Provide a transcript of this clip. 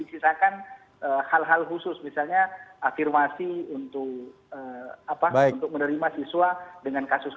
misalnya afirmasi untuk